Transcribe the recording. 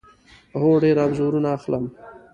هو، ډیر انځورونه اخلم